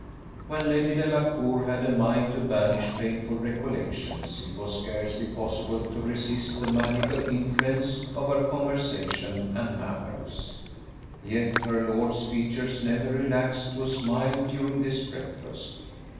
When Lady Delacour had a mind to banish painful recollections, it was scarcely possible to resist the magical influence of her conversation and manners; yet her lord's features never relaxed to a smile during this breakfast.